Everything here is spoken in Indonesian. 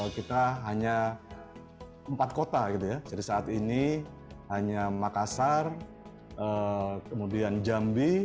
kita hanya empat kota gitu ya jadi saat ini hanya makassar kemudian jambi